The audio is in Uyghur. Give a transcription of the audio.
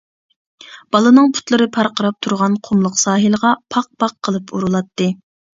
بالىنىڭ پۇتلىرى پارقىراپ تۇرغان قۇملۇق ساھىلغا پاق-پاق قىلىپ ئۇرۇلاتتى.